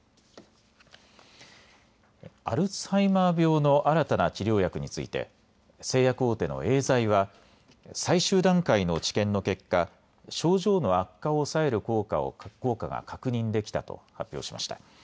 アルツハイマー病の新たな治療薬について製薬大手のエーザイは最終段階の治験の結果、症状の悪化を抑える効果が確認できたと発表しました。